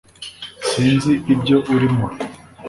sinzi ibyo urimo,